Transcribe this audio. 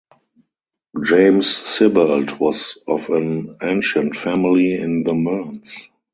James Sibbald was of an ancient family in the Mearns.